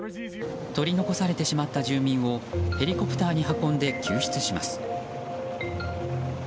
取り残されてしまった住民をヘリコプターに運んで救出します。